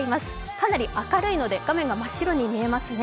かなり明るいので画面が真っ白に見えますね。